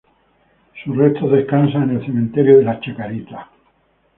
Sus restos descansan en el Cementerio de la Chacarita.